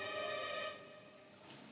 kamar nomor berapa